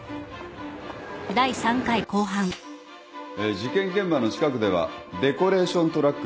事件現場の近くではデコレーショントラック